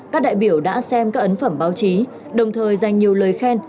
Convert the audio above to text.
các đại biểu đã xem các ấn phẩm báo chí đồng thời dành nhiều lời khen